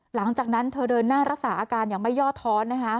หลังจากนั้นเธอเดินหน้ารักษาอาการอย่างไม่ย่อท้อนนะคะ